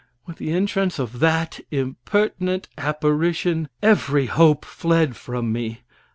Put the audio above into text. With the entrance of that impertinent apparition, every hope fled from me.